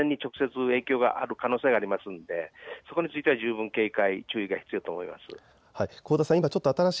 この安全に直接影響がある可能性がありますのでそこについては十分警戒が必要だと思います。